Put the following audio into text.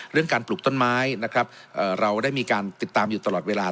เรื่องการปลูกต้นไม้นะครับเราได้มีการติดตามอยู่ตลอดเวลา